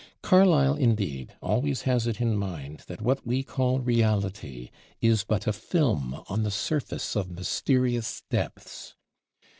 Carlyle, indeed, always has it in mind that what we call reality is but a film on the surface of mysterious depths.